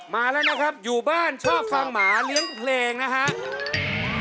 มาแล้วนะครับอยู่บ้านชอบฟังหมาเลี้ยงเพลงนะครับ